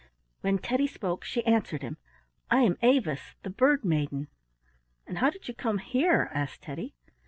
When Teddy spoke she answered him, "I am Avis, the Bird maiden." "And how did you come here?" asked Teddy.